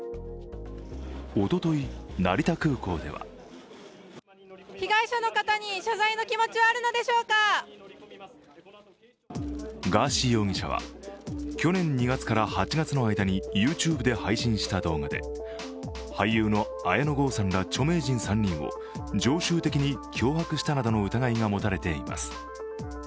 おととい成田空港ではガーシー容疑者は去年２月から８月の間にＹｏｕＴｕｂｅで配信した動画で俳優の綾野剛さんら著名人３人を常習的に脅迫したなどの疑いがもたれています。